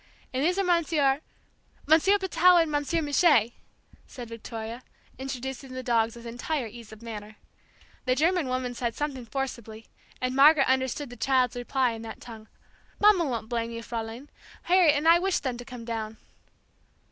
And these are Monsieur " "Monsieur Patou and Monsieur Mouche," said Victoria, introducing the dogs with entire ease of manner. The German woman said something forcibly, and Margaret understood the child's reply in that tongue: "Mamma won't blame you, Fraulein; Harriet and I wished them to come down!"